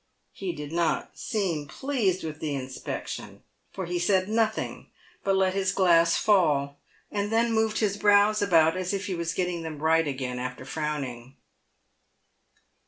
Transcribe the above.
He did not seem pleased with the inspection, for he said nothing, but let his glass fall, and then moved his brows about as if he was getting them right again after frowning.